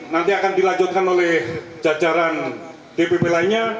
nanti akan dilanjutkan oleh jajaran dpp lainnya